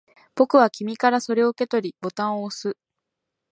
僕は君からそれを受け取り、ボタンを押す